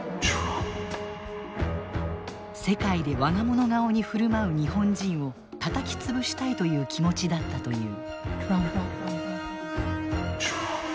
世界で我が物顔に振る舞う日本人をたたき潰したいという気持ちだったという。